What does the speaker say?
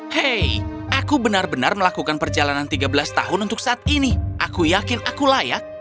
hei aku benar benar melakukan perjalanan tiga belas tahun untuk saat ini aku yakin aku layak